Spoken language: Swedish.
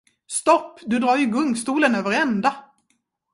Stopp! Du drar ju gungstolen över ända.